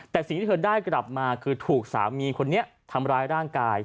แต่สิ่งที่เธอได้กลับมาคือถูกสามีคนนี้ทำร้ายร่างกาย